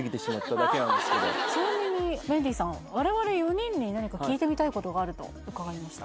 ちなみにメンディーさん我々４人に何か聞いてみたいことがあると伺いました